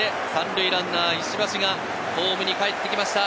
３塁ランナー石橋がホームにかえってきました。